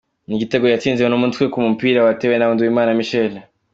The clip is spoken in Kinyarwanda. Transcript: Ni igitego yatsinze n'umutwe ku mupira watewe na Nduwimana Michel.